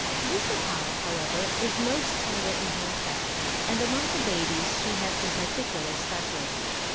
'" This Accal, however, is most tender in her affections, and among the babies she has some particular specials.